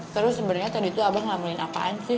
terus sebenernya tadi tuh abang ngelamunin apaan sih